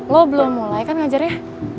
lo belum mulai kan ngajarnya